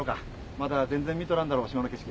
まだ全然見とらんだろう島の景色。